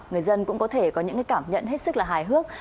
người dân cũng có thể có những cảm nhận hết sức là hài hước